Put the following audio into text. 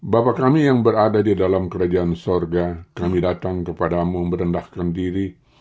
bapak kami yang berada di dalam kerajaan sorga kami datang kepadamu memberendahkan diri